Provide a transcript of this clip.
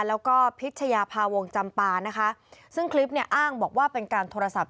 แล้วก็พิชยาภาวงจำปานะคะซึ่งคลิปเนี่ยอ้างบอกว่าเป็นการโทรศัพท์